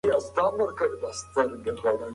سبزیجات د بدن لپاره خورا ګټور دي.